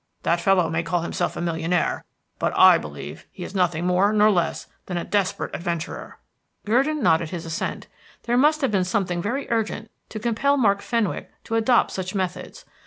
"That fellow may call himself a millionaire, but I believe he is nothing more nor less than a desperate adventurer." Gurdon nodded his assent. There must have been something very urgent to compel Mark Fenwick to adopt such methods.